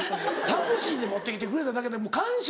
タクシーで持ってきてくれただけでも感謝